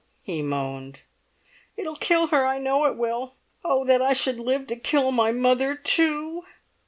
he moaned. "It'll kill her! I know it will! Oh, that I should live to kill my mother too!"